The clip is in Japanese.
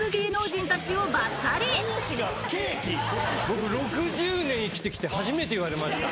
僕６０年生きて来て初めて言われました。